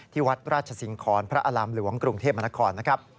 ที่วัดราชสิงครพระอลัมหลวงกรุงเทพมนาคอร์